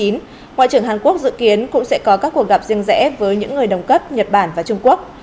ngoại trưởng hàn quốc dự kiến cũng sẽ có các cuộc gặp riêng rẽ với những người đồng cấp nhật bản và trung quốc